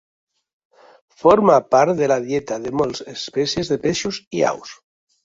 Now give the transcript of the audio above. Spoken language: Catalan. Forma part de la dieta de moltes espècies de peixos i aus.